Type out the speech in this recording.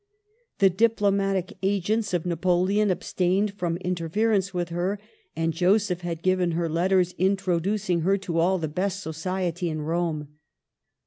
The diplomatic agents of Napoleon abstained from interference with her, and Joseph had given her letters introducing her to all the best society in Rome.